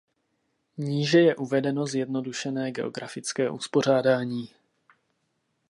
Níže je uvedeno zjednodušené geografické uspořádání.